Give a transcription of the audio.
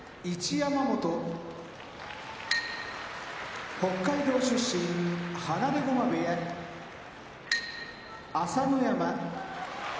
山本北海道出身放駒部屋朝乃山